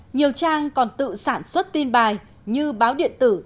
nhiều trang còn tự sản xuất tin bài như báo điện tử